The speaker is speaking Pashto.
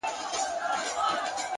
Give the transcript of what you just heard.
ستا د څوڼو ځنگلونه زمـا بــدن خـوري ـ